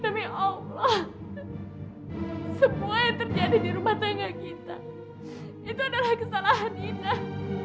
demi allah semua yang terjadi di rumah tangga kita itu adalah kesalahan indah